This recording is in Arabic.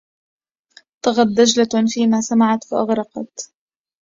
طغت دجلة فيما سمعت فأغرقت